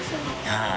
はい。